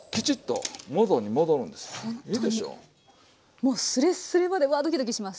もうすれっすれまでわドキドキします。